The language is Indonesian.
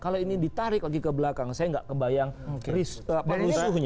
kalau ini ditarik lagi ke belakang saya nggak kebayangnya